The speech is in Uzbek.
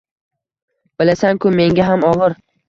Bilasan-ku, menga ham og‘ir